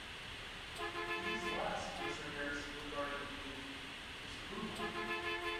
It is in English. These last Mr. Harris regarded with disapproval.